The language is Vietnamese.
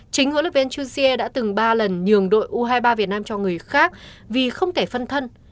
chính huấn luyện viên chu xie đã từng ba lần nhường đội u hai mươi ba việt nam cho người khác vì không kể phân thân